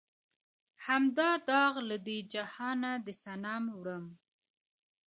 هم دا داغ لۀ دې جهانه د صنم وړم